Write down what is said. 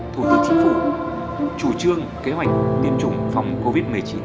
thủ tướng chính phủ chủ trương kế hoạch tiêm chủng phòng covid một mươi chín